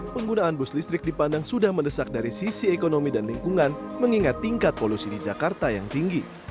penggunaan bus listrik dipandang sudah mendesak dari sisi ekonomi dan lingkungan mengingat tingkat polusi di jakarta yang tinggi